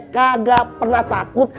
kagak pernah takut